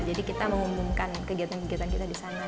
jadi kita mengumumkan kegiatan kegiatan kita di sana